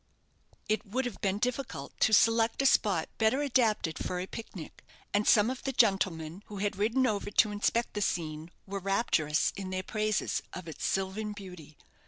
It would have been difficult to select a spot better adapted for a pic nic; and some of the gentlemen who had ridden over to inspect the scene were rapturous in their praises of its sylvan beauty.